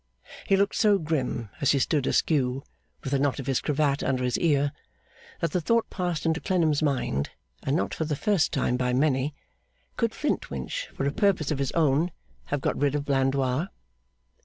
He looked so grim, as he stood askew, with the knot of his cravat under his ear, that the thought passed into Clennam's mind, and not for the first time by many, could Flintwinch for a purpose of his own have got rid of Blandois?